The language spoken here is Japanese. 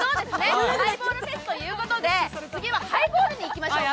ハイボールフェスということで、次はハイボールにいきましょうか。